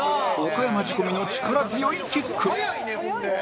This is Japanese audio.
岡山仕込みの力強いキック